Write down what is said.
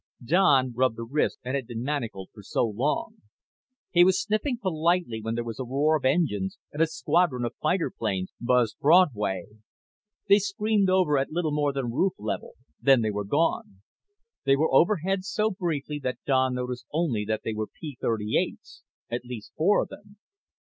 Don rubbed the wrist that had been manacled for so long. He was sniffing politely when there was a roar of engines and a squadron of fighter planes buzzed Broadway. They screamed over at little more than roof level, then were gone. They were overhead so briefly that Don noticed only that they were P 38's, at least four of them.